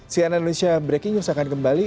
cnn indonesia breaking news akan kembali